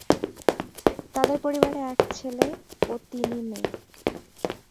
তাদের পরিবারে এক ছেলে ও তিনি মেয়ে।